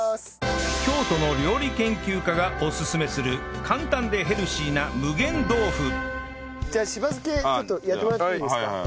京都の料理研究家がオススメする簡単でヘルシーなじゃあしば漬けちょっとやってもらっていいですか。